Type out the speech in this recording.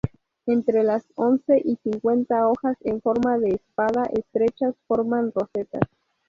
Las entre once y cincuenta hojas en forma de espada estrechas forman rosetas.